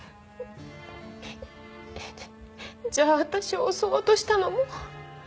じゃあ私を襲おうとしたのも？